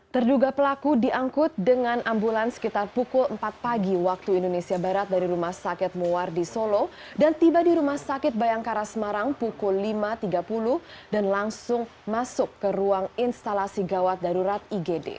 terduga pelaku diangkut dengan ambulans sekitar pukul empat pagi waktu indonesia barat dari rumah sakit muar di solo dan tiba di rumah sakit bayangkara semarang pukul lima tiga puluh dan langsung masuk ke ruang instalasi gawat darurat igd